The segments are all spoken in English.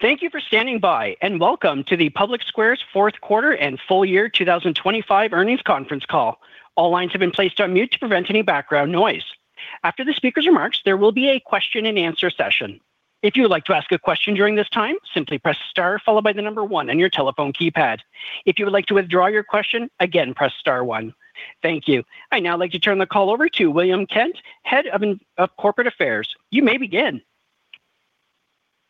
Thank you for standing by, and welcome to the PublicSquare's fourth quarter and full year 2025 earnings conference call. All lines have been placed on mute to prevent any background noise. After the speaker's remarks, there will be a question and answer session. If you would like to ask a question during this time, simply press star followed by the number one on your telephone keypad. If you would like to withdraw your question, again, press star one. Thank you. I'd now like to turn the call over to William Kent, Head of Corporate Affairs. You may begin.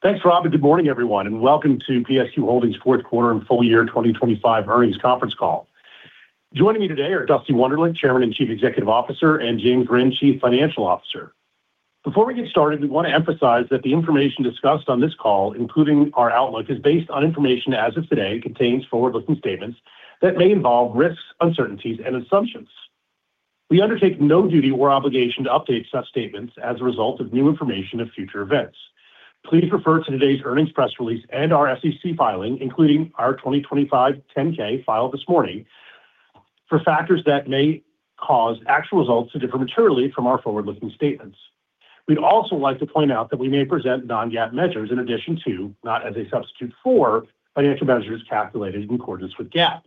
Thanks, Robin. Good morning, everyone, and welcome to PSQ Holdings' fourth quarter and full year 2025 earnings conference call. Joining me today are Dusty Wunderlich, Chairman and Chief Executive Officer, and James Rinn, Chief Financial Officer. Before we get started, we want to emphasize that the information discussed on this call, including our outlook, is based on information as of today and contains forward-looking statements that may involve risks, uncertainties, and assumptions. We undertake no duty or obligation to update such statements as a result of new information of future events. Please refer to today's earnings press release and our SEC filing, including our 2025 10-K filed this morning, for factors that may cause actual results to differ materially from our forward-looking statements. We'd also like to point out that we may present non-GAAP measures in addition to, not as a substitute for, financial measures calculated in accordance with GAAP.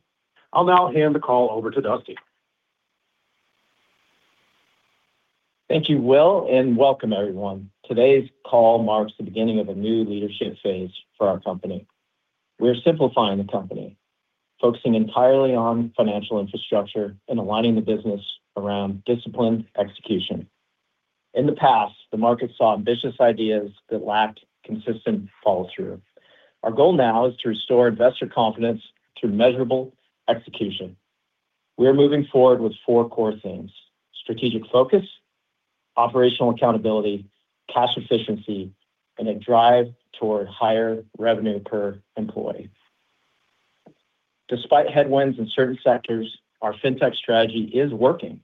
I'll now hand the call over to Dusty. Thank you, Will, and welcome everyone. Today's call marks the beginning of a new leadership phase for our company. We're simplifying the company, focusing entirely on financial infrastructure and aligning the business around disciplined execution. In the past, the market saw ambitious ideas that lacked consistent follow-through. Our goal now is to restore investor confidence through measurable execution. We are moving forward with Four Core Themes, Strategic Focus, Operational Accountability, Cash Efficiency, and a drive toward higher Revenue per Employee. Despite headwinds in certain sectors, our Fintech strategy is working.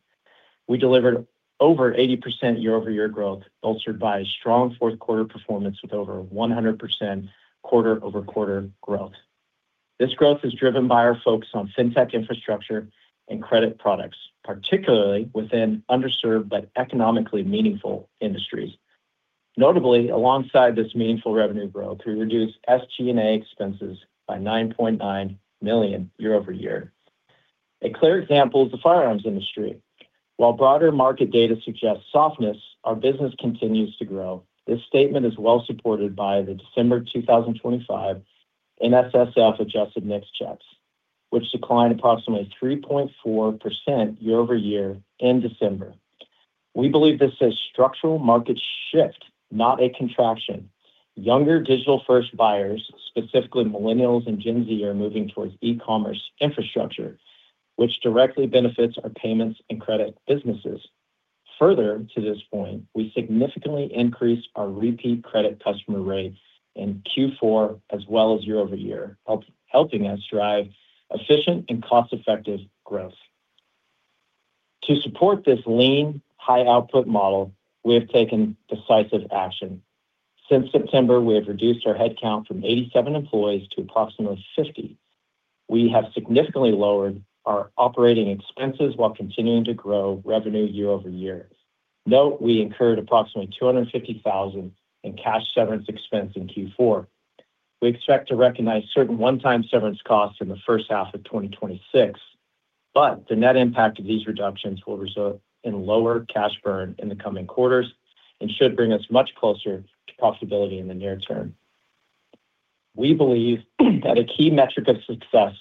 We delivered over 80% year-over-year growth, bolstered by a strong fourth quarter performance with over 100% quarter-over-quarter growth. This growth is driven by our focus on Fintech infrastructure and credit products, particularly within underserved but economically meaningful industries. Notably, alongside this meaningful revenue growth, we reduced SG&A expenses by $9.9 million year-over-year. A clear example is the firearms industry. While broader market data suggests softness, our business continues to grow. This statement is well supported by the December 2025 NSSF Adjusted NICS checks, which declined approximately 3.4% year-over-year in December. We believe this is a structural market shift, not a contraction. Younger digital-first buyers, specifically Millennials and Gen Z, are moving towards e-commerce infrastructure, which directly benefits our payments and credit businesses. Further to this point, we significantly increased our repeat credit customer rates in Q4 as well as year-over-year, helping us drive efficient and cost-effective growth. To support this lean, high-output model, we have taken decisive action. Since September, we have reduced our headcount from 87 employees to approximately 50. We have significantly lowered our operating expenses while continuing to grow revenue year-over-year. Note, we incurred approximately $250,000 in cash severance expense in Q4. We expect to recognize certain one-time severance costs in the first half of 2026, but the net impact of these reductions will result in lower cash burn in the coming quarters and should bring us much closer to profitability in the near term. We believe that a key metric of success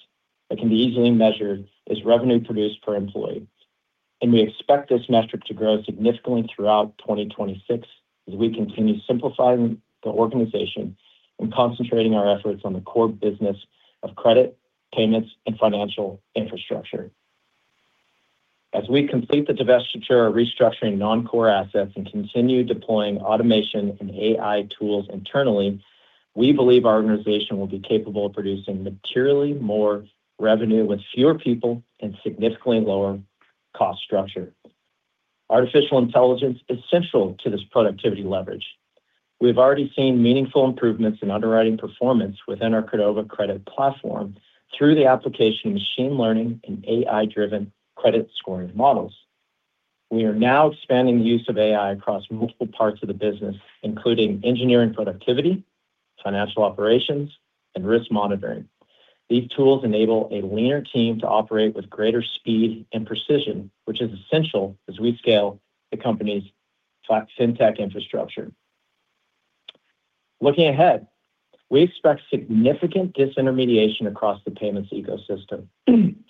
that can be easily measured is revenue produced per employee, and we expect this metric to grow significantly throughout 2026 as we continue simplifying the organization and concentrating our efforts on the core business of credit, payments, and financial infrastructure. As we complete the divestiture or restructuring non-core assets and continue deploying automation and AI tools internally, we believe our organization will be capable of producing materially more revenue with fewer people and significantly lower cost structure. Artificial intelligence is central to this productivity leverage. We have already seen meaningful improvements in underwriting performance within our Credova credit platform through the application of machine learning and AI-driven credit scoring models. We are now expanding the use of AI across multiple parts of the business, including engineering productivity, financial operations, and risk monitoring. These tools enable a leaner team to operate with greater speed and precision, which is essential as we scale the company's fintech infrastructure. Looking ahead, we expect significant disintermediation across the payments ecosystem.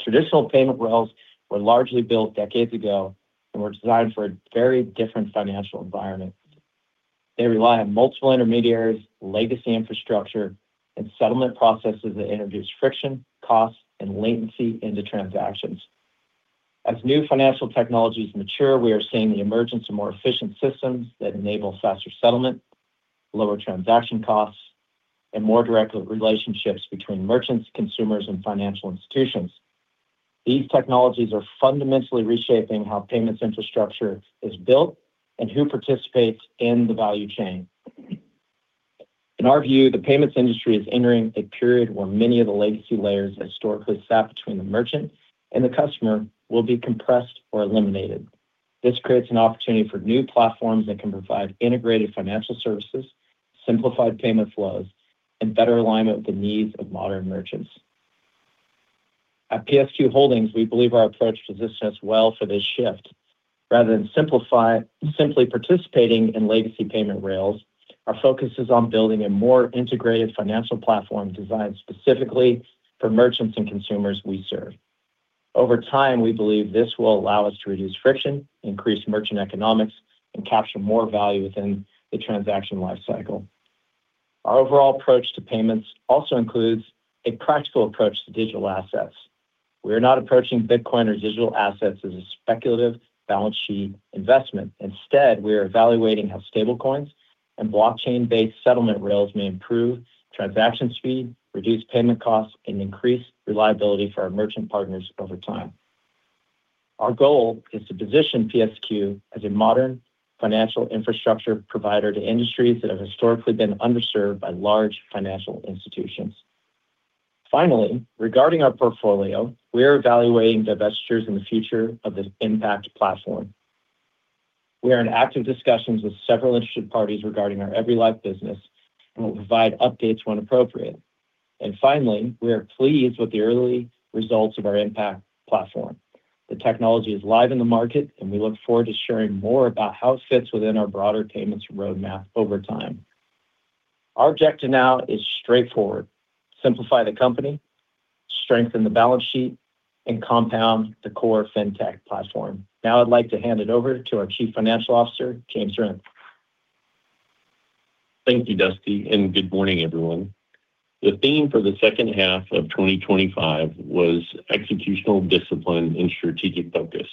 Traditional payment rails were largely built decades ago and were designed for a very different financial environment. They rely on multiple intermediaries, legacy infrastructure, and settlement processes that introduce friction, cost, and latency into transactions. As new financial technologies mature, we are seeing the emergence of more efficient systems that enable faster settlement, lower transaction costs, and more direct relationships between merchants, consumers, and financial institutions. These technologies are fundamentally reshaping how payments infrastructure is built and who participates in the value chain. In our view, the payments industry is entering a period where many of the legacy layers historically sat between the merchant and the customer will be compressed or eliminated. This creates an opportunity for new platforms that can provide integrated financial services, simplified payment flows, and better alignment with the needs of modern merchants. At PSQ Holdings, we believe our approach positions us well for this shift. Rather than simply participating in legacy payment rails, our focus is on building a more integrated financial platform designed specifically for merchants and consumers we serve. Over time, we believe this will allow us to reduce friction, increase merchant economics, and capture more value within the transaction lifecycle. Our overall approach to payments also includes a practical approach to digital assets. We are not approaching Bitcoin or digital assets as a speculative balance sheet investment. Instead, we are evaluating how stablecoins and blockchain-based settlement rails may improve transaction speed, reduce payment costs, and increase reliability for our merchant partners over time. Our goal is to position PSQ as a modern financial infrastructure provider to industries that have historically been underserved by large financial institutions. Finally, regarding our portfolio, we are evaluating divestitures in the future of this Impact platform. We are in active discussions with several interested parties regarding our EveryLife business, and we'll provide updates when appropriate. Finally, we are pleased with the early results of our Impact platform. The technology is live in the market, and we look forward to sharing more about how it fits within our broader payments roadmap over time. Our objective now is straightforward. Simplify the company, strengthen the balance sheet, and compound the core Fintech platform. Now I'd like to hand it over to our Chief Financial Officer, James Rinn. Thank you, Dusty, and good morning, everyone. The theme for the second half of 2025 was executional discipline and strategic focus.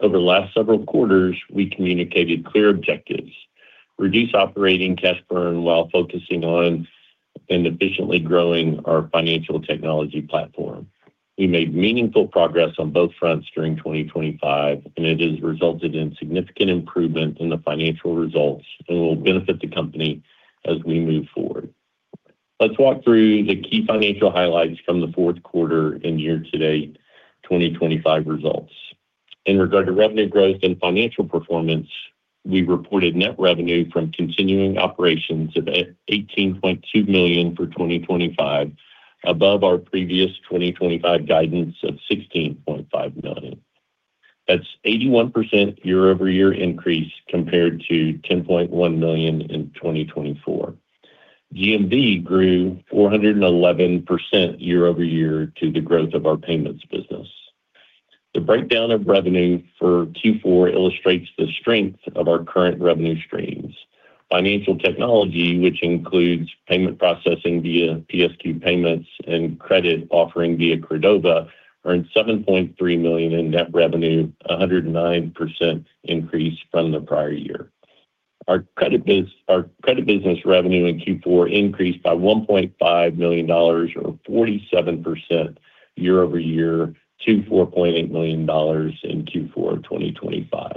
Over the last several quarters, we communicated clear objectives. Reduce operating cash burn while focusing on and efficiently growing our financial technology platform. We made meaningful progress on both fronts during 2025, and it has resulted in significant improvement in the financial results and will benefit the company as we move forward. Let's walk through the key financial highlights from the fourth quarter and year-to-date 2025 results. In regard to revenue growth and financial performance, we reported net revenue from continuing operations of $18.2 million for 2025 above our previous 2025 guidance of $16.5 million. That's 81% year-over-year increase compared to $10.1 million in 2024. GMV grew 411% year-over-year to the growth of our payments business. The breakdown of revenue for Q4 illustrates the strength of our current revenue streams. Financial technology, which includes payment processing via PSQ Payments and credit offering via Credova, earned $7.3 million in net revenue, 109% increase from the prior year. Our credit business revenue in Q4 increased by $1.5 million or 47% year-over-year to $4.8 million in Q4 of 2025.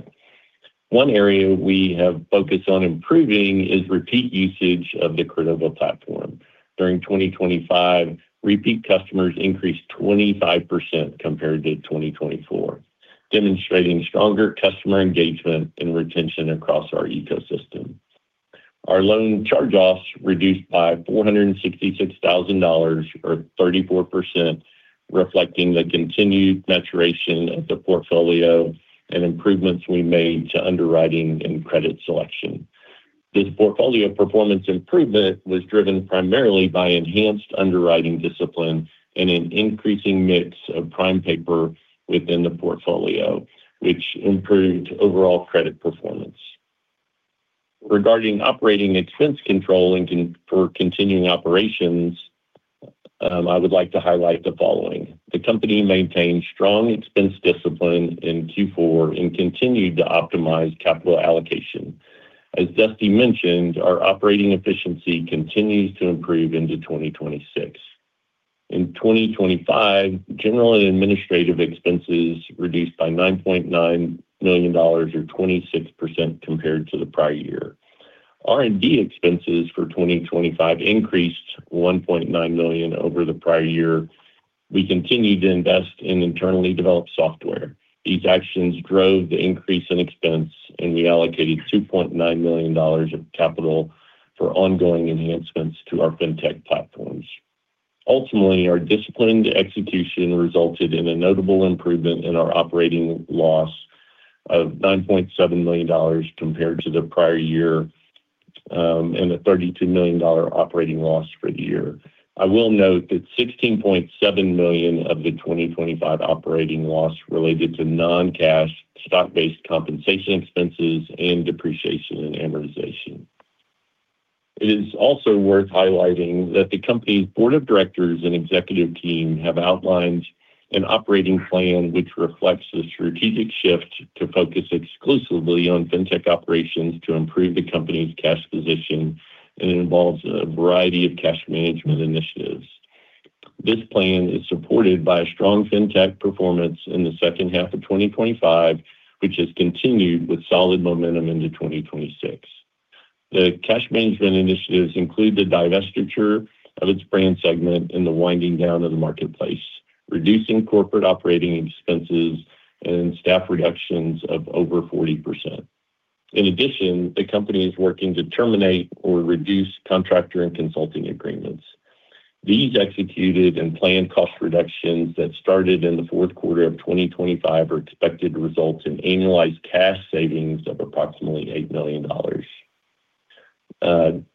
One area we have focused on improving is repeat usage of the Credova platform. During 2025, repeat customers increased 25% compared to 2024, demonstrating stronger customer engagement and retention across our ecosystem. Our loan charge-offs reduced by $466,000 or 34%, reflecting the continued maturation of the portfolio and improvements we made to underwriting and credit selection. This portfolio performance improvement was driven primarily by enhanced underwriting discipline and an increasing mix of prime paper within the portfolio, which improved overall credit performance. Regarding operating expense control and for continuing operations, I would like to highlight the following. The company maintained strong expense discipline in Q4 and continued to optimize capital allocation. As Dusty mentioned, our operating efficiency continues to improve into 2026. In 2025, general and administrative expenses reduced by $9.9 million or 26% compared to the prior year. R&D expenses for 2025 increased $1.9 million over the prior year. We continued to invest in internally developed software. These actions drove the increase in expense, and we allocated $2.9 million of capital for ongoing enhancements to our Fintech platforms. Ultimately, our disciplined execution resulted in a notable improvement in our operating loss of $9.7 million compared to the prior year, and a $32 million operating loss for the year. I will note that $16.7 million of the 2025 operating loss related to non-cash stock-based compensation expenses and depreciation and amortization. It is also worth highlighting that the company's board of directors and executive team have outlined an operating plan which reflects the strategic shift to focus exclusively on Fintech operations to improve the company's cash position, and it involves a variety of cash management initiatives. This plan is supported by a strong Fintech performance in the second half of 2025, which has continued with solid momentum into 2026. The cash management initiatives include the divestiture of its brand segment and the winding down of the marketplace, reducing corporate operating expenses and staff reductions of over 40%. In addition, the company is working to terminate or reduce contractor and consulting agreements. These executed and planned cost reductions that started in the fourth quarter of 2025 are expected to result in annualized cash savings of approximately $8 million. Transitioning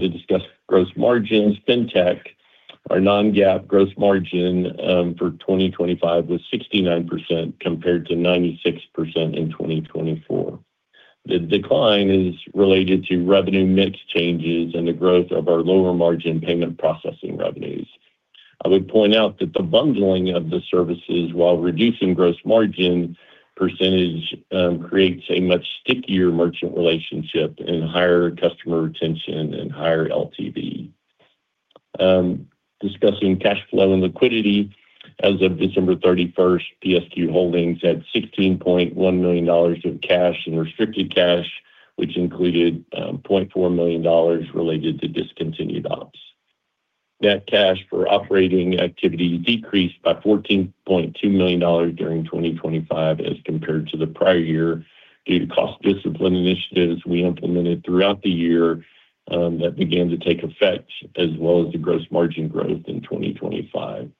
to discuss gross margins. Fintech, our non-GAAP gross margin for 2025 was 69% compared to 96% in 2024. The decline is related to revenue mix changes and the growth of our lower margin payment processing revenues. I would point out that the bundling of the services while reducing gross margin percentage creates a much stickier merchant relationship and higher customer retention and higher LTV. Discussing cash flow and liquidity, as of December 31st, PSQ Holdings had $16.1 million of cash and restricted cash, which included $0.4 million related to discontinued ops. Net cash for operating activity decreased by $14.2 million during 2025 as compared to the prior year due to cost discipline initiatives we implemented throughout the year that began to take effect, as well as the gross margin growth in 2025.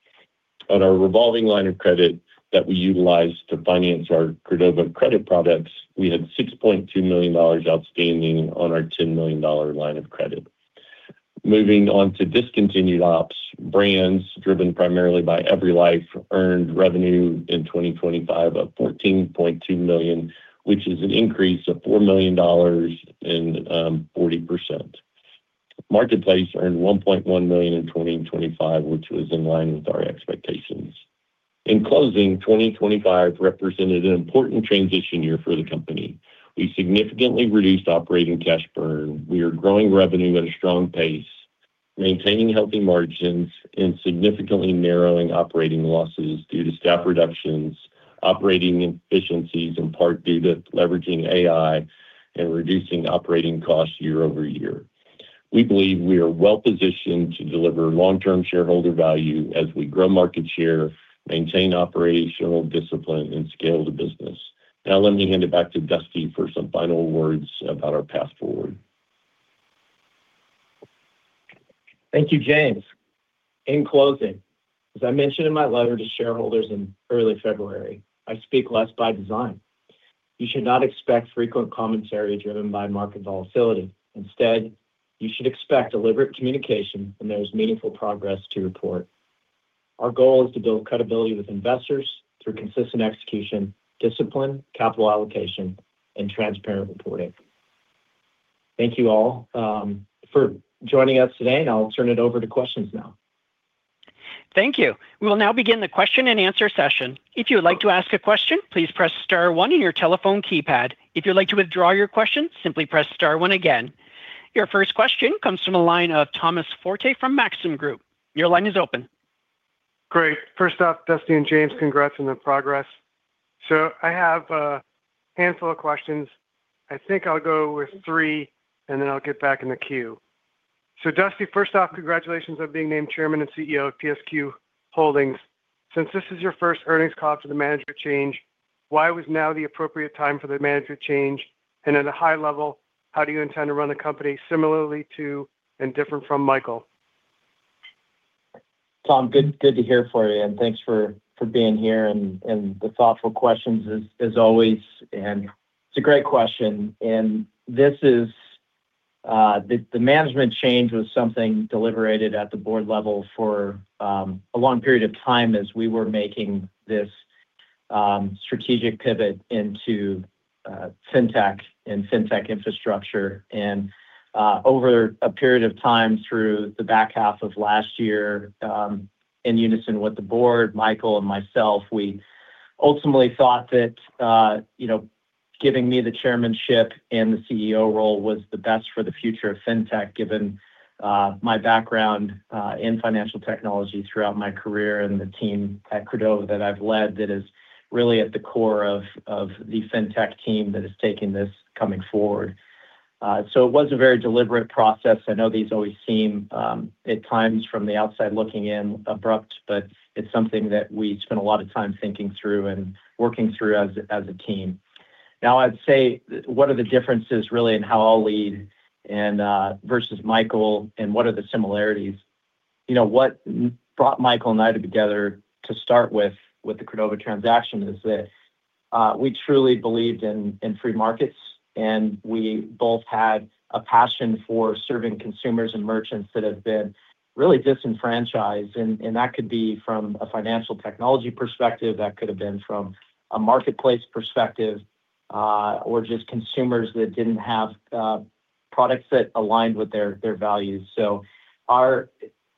On our revolving line of credit that we utilized to finance our Credova credit products, we had $6.2 million outstanding on our $10 million line of credit. Moving on to discontinued ops. Brands driven primarily by EveryLife earned revenue in 2025 of $14.2 million, which is an increase of $4 million and 40%. Marketplace earned $1.1 million in 2025, which was in line with our expectations. In closing, 2025 represented an important transition year for the company. We significantly reduced operating cash burn. We are growing revenue at a strong pace, maintaining healthy margins and significantly narrowing operating losses due to staff reductions, operating efficiencies in part due to leveraging AI and reducing operating costs year-over-year. We believe we are well-positioned to deliver long-term shareholder value as we grow market share, maintain operational discipline and scale the business. Now let me hand it back to Dusty for some final words about our path forward. Thank you, James. In closing, as I mentioned in my letter to shareholders in early February, I speak less by design. You should not expect frequent commentary driven by market volatility. Instead, you should expect deliberate communication when there is meaningful progress to report. Our goal is to build credibility with investors through consistent execution, discipline, capital allocation and transparent reporting. Thank you all, for joining us today, and I'll turn it over to questions now. Thank you. We will now begin the question and answer session. If you would like to ask a question, please press star one on your telephone keypad. If you'd like to withdraw your question, simply press star one again. Your first question comes from the line of Thomas Forte from Maxim Group. Your line is open. Great. First off, Dusty and James, congrats on the progress. I have a handful of questions. I think I'll go with three, and then I'll get back in the queue. Dusty, first off, congratulations on being named Chairman and CEO of PSQ Holdings. Since this is your first earnings call for the management change, why was now the appropriate time for the management change? And at a high level, how do you intend to run the company similarly to and different from Michael? Tom, good to hear from you and thanks for being here and the thoughtful questions as always. It's a great question. This is the management change was something deliberated at the Board level for a long period of time as we were making this strategic pivot into Fintech and Fintech infrastructure. Over a period of time through the back half of last year, in unison with the Board, Michael and myself, we ultimately thought that you know, giving me the chairmanship and the CEO role was the best for the future of Fintech, given my background in financial technology throughout my career and the team at Credova that I've led that is really at the core of the Fintech team that is taking the company forward. It was a very deliberate process. I know these always seem at times from the outside looking in abrupt, but it's something that we spent a lot of time thinking through and working through as a team. Now, I'd say what are the differences really in how I'll lead and versus Michael and what are the similarities? You know, what brought Michael and I together to start with the Credova transaction is this. We truly believed in free markets, and we both had a passion for serving consumers and merchants that have been really disenfranchised. That could be from a financial technology perspective, that could have been from a marketplace perspective, or just consumers that didn't have products that aligned with their values. Our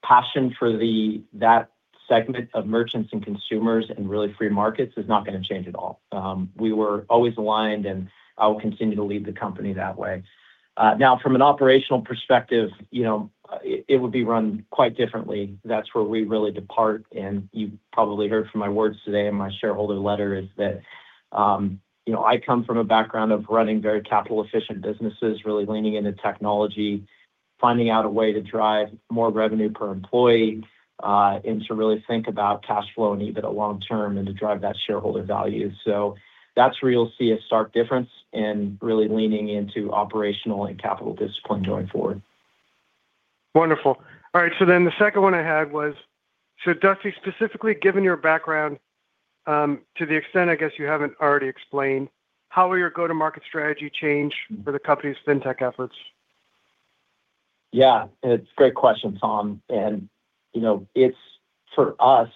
passion for that segment of merchants and consumers and really free markets is not gonna change at all. We were always aligned, and I will continue to lead the company that way. Now from an operational perspective, you know, it would be run quite differently. That's where we really depart, and you probably heard from my words today in my shareholder letter is that, you know, I come from a background of running very capital-efficient businesses, really leaning into technology, finding out a way to drive more revenue per employee, and to really think about cash flow and EBIT long term and to drive that shareholder value. That's where you'll see a stark difference in really leaning into operational and capital discipline going forward. Wonderful. All right. The second one I had was, so Dusty, specifically, given your background, to the extent I guess you haven't already explained, how will your go-to-market strategy change for the company's fintech efforts? Yeah. It's a great question, Tom. You know, it's for us,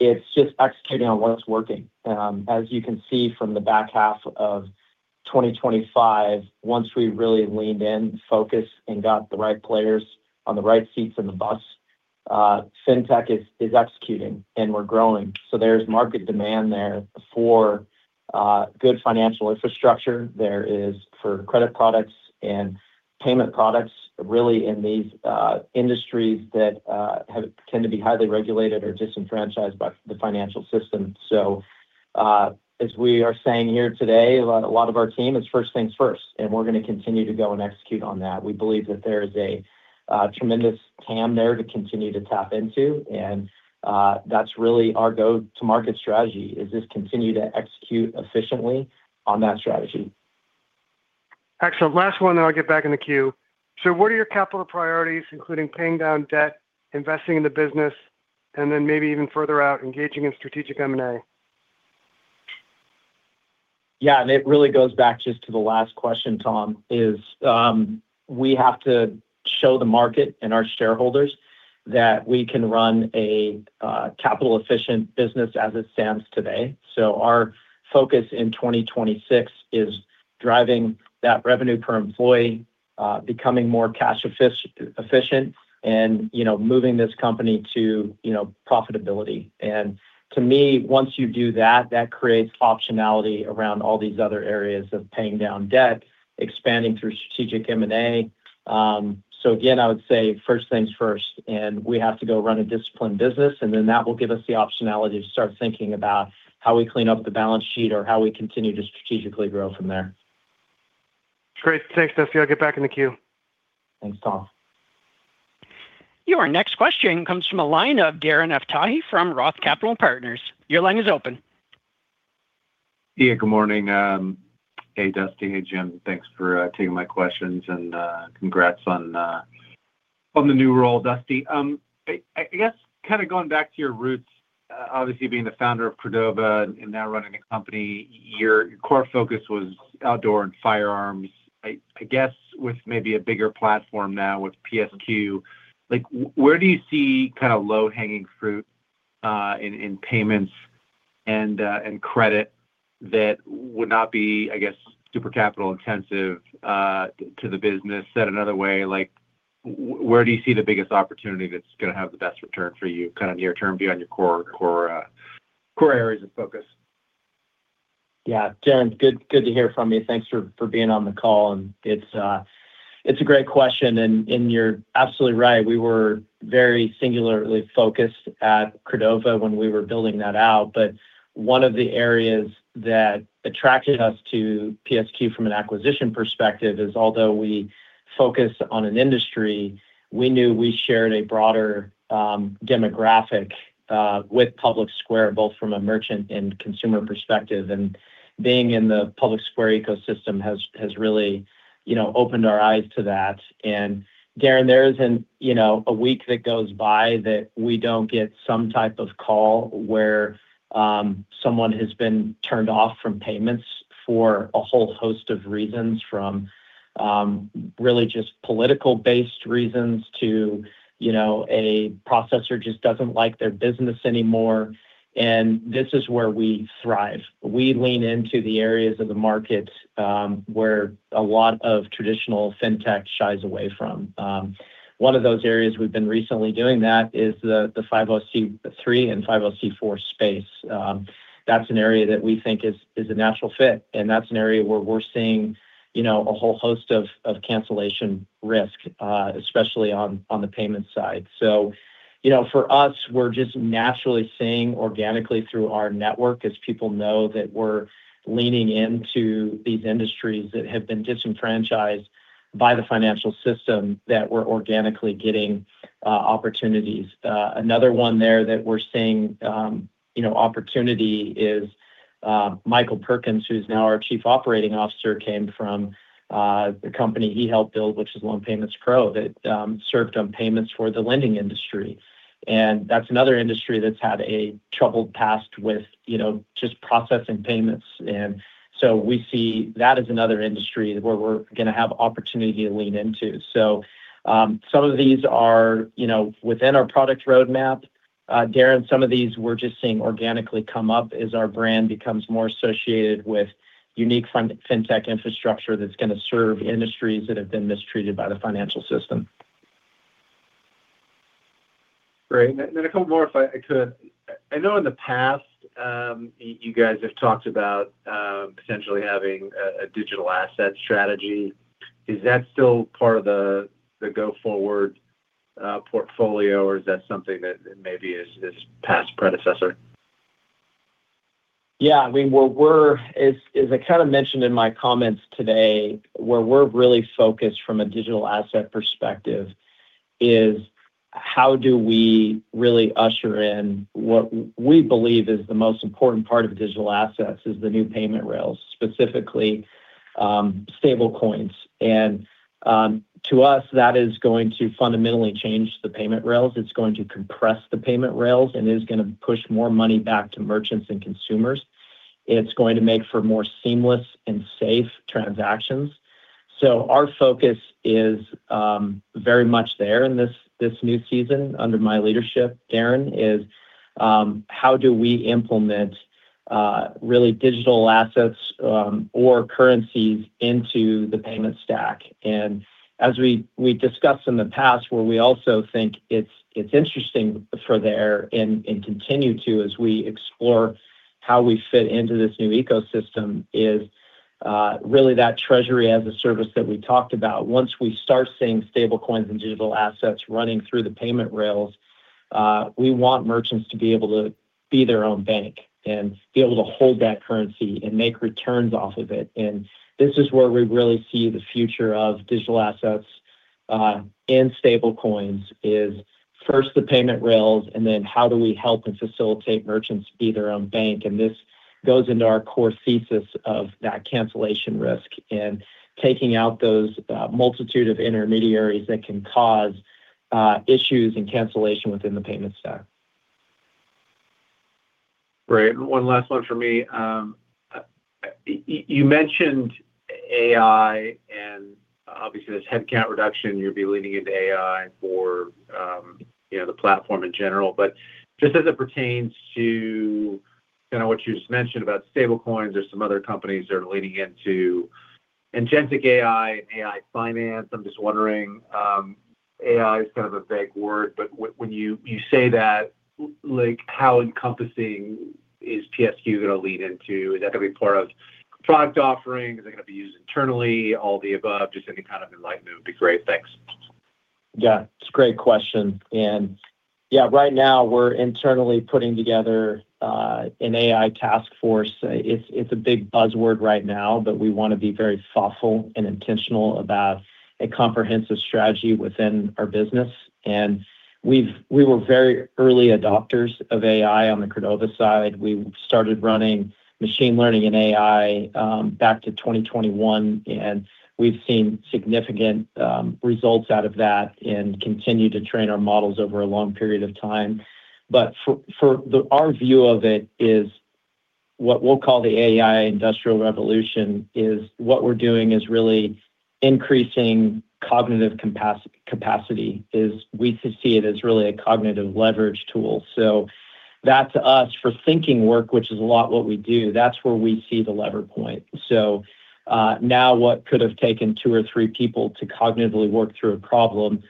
it's just executing on what's working. As you can see from the back half of 2025, once we really leaned in, focused, and got the right players on the right seats in the bus, fintech is executing and we're growing. There's market demand there for good financial infrastructure. There is for credit products and payment products really in these industries that tend to be highly regulated or disenfranchised by the financial system. As we are saying here today, a lot of our team is first things first, and we're going to continue to go and execute on that. We believe that there is a tremendous TAM there to continue to tap into. That's really our go-to-market strategy is just continue to execute efficiently on that strategy. Excellent. Last one, then I'll get back in the queue. What are your capital priorities, including paying down debt, investing in the business, and then maybe even further out, engaging in strategic M&A? Yeah. It really goes back just to the last question, Tom, is we have to show the market and our shareholders that we can run a capital-efficient business as it stands today. Our focus in 2026 is driving that Revenue per Employee, becoming more cash efficient and, you know, moving this company to, you know, profitability. To me, once you do that creates optionality around all these other areas of paying down debt, expanding through strategic M&A. Again, I would say first things first, and we have to go run a disciplined business, and then that will give us the optionality to start thinking about how we clean up the balance sheet or how we continue to strategically grow from there. Great. Thanks, Dusty. I'll get back in the queue. Thanks, Tom. Your next question comes from a line of Darren Aftahi from Roth Capital Partners. Your line is open. Yeah, good morning. Hey, Dusty. Hey, Jim. Thanks for taking my questions, and congrats on the new role, Dusty. I guess kind of going back to your roots, obviously being the founder of Credova and now running a company, your core focus was outdoor and firearms. I guess with maybe a bigger platform now with PSQ, like, where do you see kind of low-hanging fruit in payments and credit that would not be super capital-intensive to the business? Said another way, like, where do you see the biggest opportunity that's going to have the best return for you, kind of near-term view on your core areas of focus? Yeah. Darren, good to hear from you. Thanks for being on the call. It's a great question, and you're absolutely right. We were very singularly focused at Credova when we were building that out. But one of the areas that attracted us to PSQ from an acquisition perspective is although we focus on an industry, we knew we shared a broader demographic with PublicSquare, both from a merchant and consumer perspective. Being in the PublicSquare ecosystem has really, you know, opened our eyes to that. Darren, there isn't, you know, a week that goes by that we don't get some type of call where someone has been turned off from payments for a whole host of reasons, from really just political-based reasons to, you know, a processor just doesn't like their business anymore. This is where we thrive. We lean into the areas of the market where a lot of traditional fintech shies away from. One of those areas we've been recently doing that is the 501(c)(3) and 501(c)(4) space. That's an area that we think is a natural fit, and that's an area where we're seeing you know a whole host of cancellation risk especially on the payment side. You know for us we're just naturally seeing organically through our network as people know that we're leaning into these industries that have been disenfranchised by the financial system that we're organically getting opportunities. Another one there that we're seeing, you know, opportunity is, Michael Perkins, who's now our Chief Operating Officer, came from, the company he helped build, which is LoanPaymentPro, that serves payments for the lending industry. That's another industry that's had a troubled past with, you know, just processing payments. We see that as another industry where we're going to have opportunity to lean into. Some of these are, you know, within our product roadmap. Darren, some of these we're just seeing organically come up as our brand becomes more associated with unique fintech infrastructure that's going to serve industries that have been mistreated by the financial system. Great. A couple more if I could. I know in the past, you guys have talked about, potentially having a digital asset strategy. Is that still part of the go-forward portfolio, or is that something that maybe is this past predecessor? Yeah, I mean, we're—as I kind of mentioned in my comments today, where we're really focused from a digital asset perspective is how do we really usher in what we believe is the most important part of digital assets is the new payment rails, specifically, stablecoins. To us, that is going to fundamentally change the payment rails. It's going to compress the payment rails, and it is gonna push more money back to merchants and consumers. It's going to make for more seamless and safe transactions. Our focus is very much there in this new season under my leadership, Darren, is how do we implement really digital assets or currencies into the payment stack? As we discussed in the past, where we also think it's interesting for there and continue to as we explore how we fit into this new ecosystem is really that treasury as a service that we talked about. Once we start seeing stablecoins and digital assets running through the payment rails, we want merchants to be able to be their own bank and be able to hold that currency and make returns off of it. This is where we really see the future of digital assets and stablecoins is first the payment rails, and then how do we help and facilitate merchants be their own bank. This goes into our core thesis of that cancellation risk and taking out those multitude of intermediaries that can cause issues and cancellation within the payment stack. Great. One last one from me. You mentioned AI, and obviously this headcount reduction, you'll be leaning into AI for, you know, the platform in general. Just as it pertains to kinda what you just mentioned about stablecoins, there's some other companies that are leaning into agentic AI and AI finance. I'm just wondering, AI is kind of a vague word, but when you say that, like, how encompassing is PSQ gonna lead into? Is that gonna be part of product offerings? Is it gonna be used internally? All the above? Just any kind of enlightenment would be great. Thanks. Yeah. It's a great question. Yeah, right now we're internally putting together an AI task force. It's a big buzzword right now, but we wanna be very thoughtful and intentional about a comprehensive strategy within our business. We were very early adopters of AI on the Credova side. We started running machine learning and AI back to 2021, and we've seen significant results out of that and continue to train our models over a long period of time. Our view of it is what we'll call the AI industrial revolution is what we're doing is really increasing cognitive capacity. We see it as really a cognitive leverage tool. That to us for thinking work, which is a lot what we do, that's where we see the lever point. Now what could have taken two or three people to cognitively work through a problem,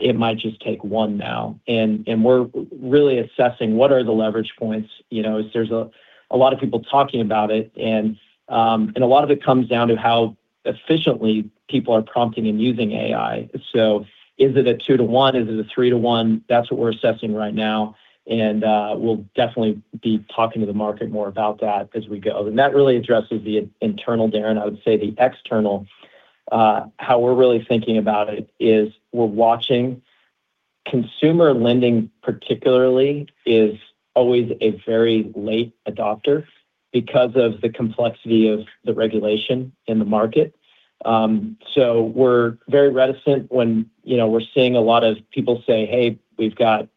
it might just take one now. We're really assessing what are the leverage points, you know. There's a lot of people talking about it, and a lot of it comes down to how efficiently people are prompting and using AI. Is it a two-to-one? Is it a three-to-one? That's what we're assessing right now, and we'll definitely be talking to the market more about that as we go. That really addresses the internal, Darren. I would say the external, how we're really thinking about it is we're watching consumer lending particularly, is always a very late adopter because of the complexity of the regulation in the market. We're very reticent when, you know, we're seeing a lot of people say, "Hey, we've got,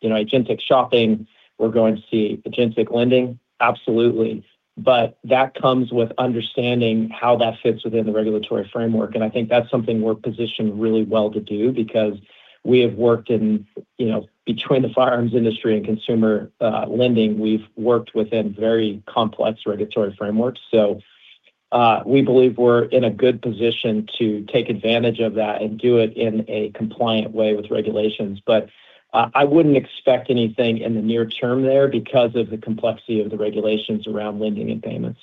you know, agentic shopping. We're going to see agentic lending." Absolutely. That comes with understanding how that fits within the regulatory framework. I think that's something we're positioned really well to do because we have worked in, you know, between the firearms industry and consumer lending, we've worked within very complex regulatory frameworks. We believe we're in a good position to take advantage of that and do it in a compliant way with regulations. I wouldn't expect anything in the near term there because of the complexity of the regulations around lending and payments.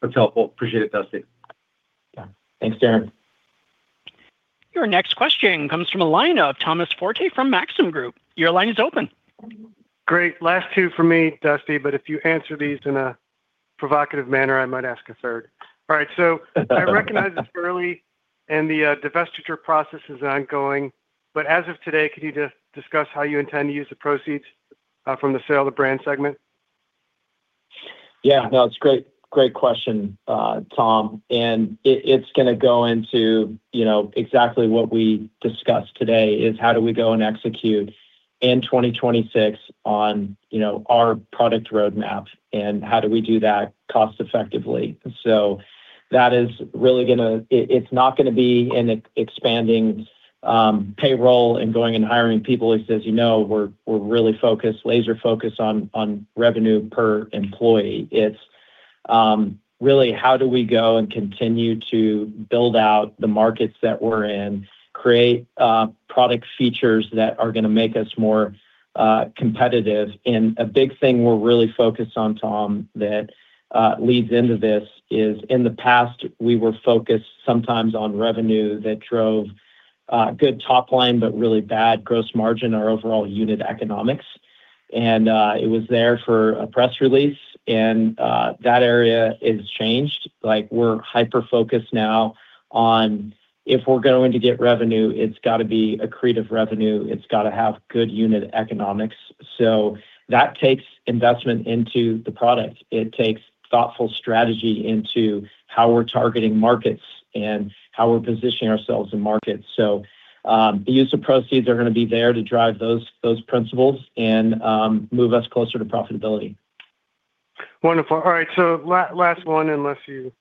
That's helpful. Appreciate it, Dusty. Yeah. Thanks, Darren. Your next question comes from a line of Thomas Forte from Maxim Group. Your line is open. Great. Last two for me, Dusty, but if you answer these in a provocative manner, I might ask a third. All right. I recognize it's early and the divestiture process is ongoing, but as of today, could you just discuss how you intend to use the proceeds from the sale of the brand segment? Yeah. No, it's a great question, Tom. It's gonna go into, you know, exactly what we discussed today is how do we go and execute in 2026 on, you know, our product roadmap, and how do we do that cost effectively. That is really gonna be. It's not gonna be in expanding payroll and going and hiring people. As you know, we're really focused, laser focused on Revenue per Employee. It's really how do we go and continue to build out the markets that we're in, create product features that are gonna make us more competitive. A big thing we're really focused on, Tom, that leads into this is in the past, we were focused sometimes on revenue that drove good top line, but really bad gross margin, our overall unit economics. It was there for a press release. That area is changed. Like, we're hyper-focused now on if we're going to get revenue, it's gotta be accretive revenue. It's gotta have good unit economics. That takes investment into the product. It takes thoughtful strategy into how we're targeting markets and how we're positioning ourselves in markets. The use of proceeds are gonna be there to drive those principles and move us closer to profitability. Wonderful. All right. Last one, unless you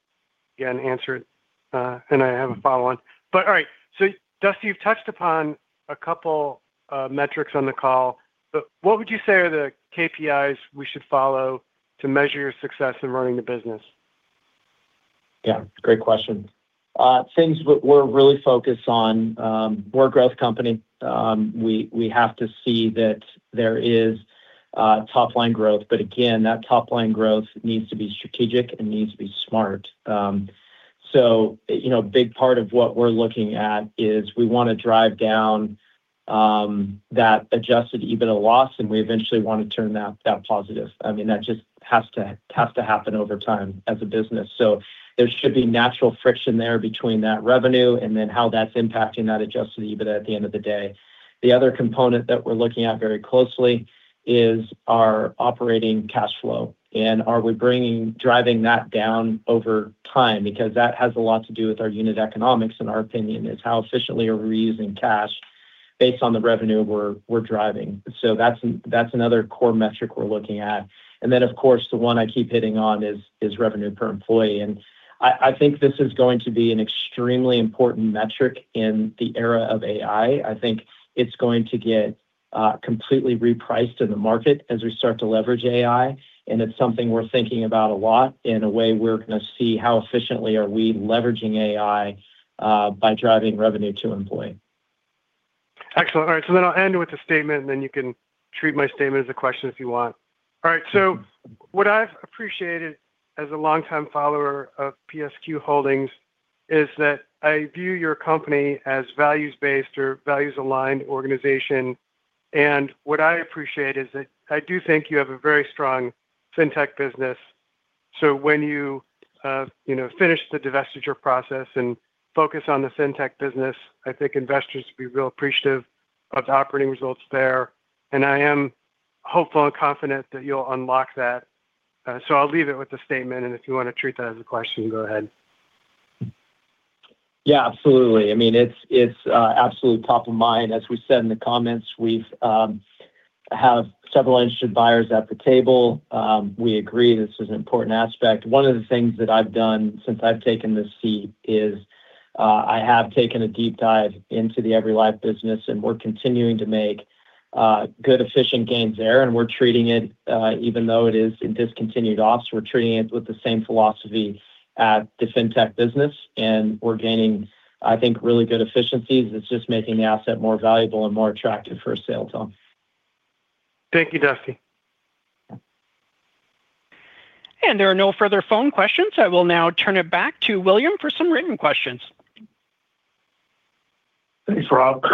can answer it, and I have a follow on. All right. Dusty, you've touched upon a couple metrics on the call. What would you say are the KPIs we should follow to measure your success in running the business? Yeah, great question. Things we're really focused on, we're a growth company. We have to see that there is top line growth. Again, that top line growth needs to be strategic and needs to be smart. You know, a big part of what we're looking at is we wanna drive down that Adjusted EBITDA loss, and we eventually wanna turn that positive. I mean, that just has to happen over time as a business. There should be natural friction there between that revenue and then how that's impacting that Adjusted EBITDA at the end of the day. The other component that we're looking at very closely is our operating cash flow. Are we driving that down over time? Because that has a lot to do with our unit economics, in our opinion, is how efficiently are we using cash based on the revenue we're driving. That's another core metric we're looking at. Of course, the one I keep hitting on is revenue per employee. I think this is going to be an extremely important metric in the era of AI. I think it's going to get completely repriced in the market as we start to leverage AI. It's something we're thinking about a lot in a way we're gonna see how efficiently are we leveraging AI by driving Revenue per Employee. Excellent. All right. I'll end with a statement, and then you can treat my statement as a question if you want. All right. What I've appreciated as a longtime follower of PSQ Holdings is that I view your company as values-based or values-aligned organization. And what I appreciate is that I do think you have a very strong Fintech business. When you finish the divestiture process and focus on the Fintech business, I think investors will be real appreciative of the operating results there. And I am hopeful and confident that you'll unlock that. I'll leave it with a statement, and if you wanna treat that as a question, go ahead. Yeah, absolutely. I mean, it's absolutely top of mind. As we said in the comments, we have several interested buyers at the table. We agree this is an important aspect. One of the things that I've done since I've taken this seat is, I have taken a deep dive into the EveryLife business, and we're continuing to make good, efficient gains there. We're treating it, even though it is in discontinued ops, we're treating it with the same philosophy as the Fintech business. We're gaining, I think, really good efficiencies. It's just making the asset more valuable and more attractive for a sale, Tom. Thank you, Dusty. There are no further phone questions. I will now turn it back to William for some written questions. Thanks, Rob.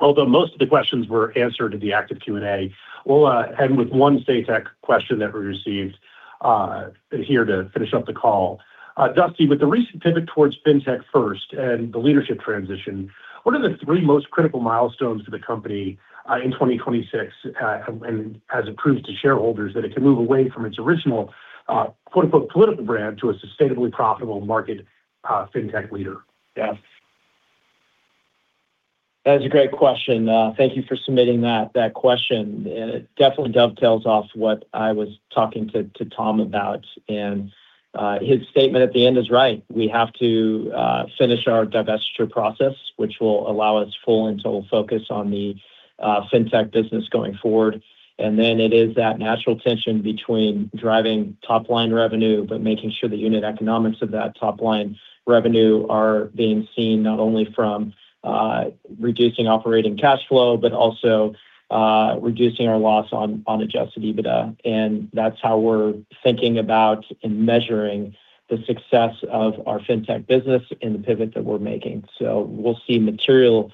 Although most of the questions were answered in the active Q&A, we'll end with one last tech question that we received here to finish up the call. Dusty, with the recent pivot towards Fintech first and the leadership transition, what are the three most critical milestones for the company in 2026, and as it proves to shareholders that it can move away from its original quote-unquote political brand to a sustainably profitable market Fintech leader? Yeah. That's a great question. Thank you for submitting that question. It definitely dovetails off what I was talking to Tom about. His statement at the end is right. We have to finish our divestiture process, which will allow us full and total focus on the Fintech business going forward. Then it is that natural tension between driving top line revenue, but making sure the unit economics of that top line revenue are being seen not only from reducing operating cash flow, but also reducing our loss on Adjusted EBITDA. That's how we're thinking about and measuring the success of our Fintech business and the pivot that we're making. We'll see material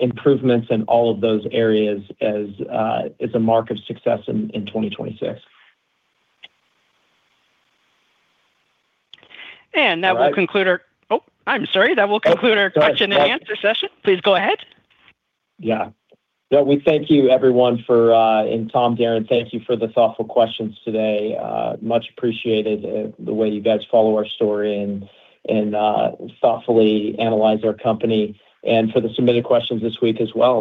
improvements in all of those areas as a mark of success in 2026. That will conclude our question and answer session. Please go ahead. Yeah. We thank you everyone for, and Tom, Darren, thank you for the thoughtful questions today. Much appreciated, the way you guys follow our story and, thoughtfully analyze our company and for the submitted questions this week as well.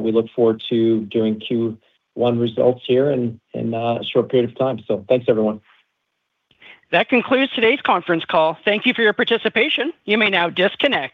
We look forward to doing Q1 results here in, a short period of time. Thanks, everyone. That concludes today's conference call. Thank you for your participation. You may now disconnect.